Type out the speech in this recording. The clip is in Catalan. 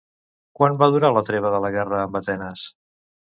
Quant va durar la treva de la guerra amb Atenes?